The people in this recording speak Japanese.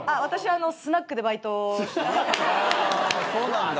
あそうなんだ。